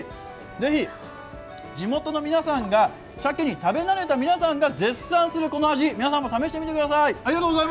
ぜひ地元の皆さんが鮭に食べ慣れた皆さんが絶賛するこの味、皆さんも試してみてください。